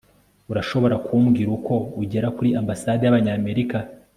urashobora kumbwira uko ugera kuri ambasade y'abanyamerika